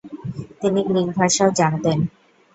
তিনি গ্রিক ভাষাও জানতেন।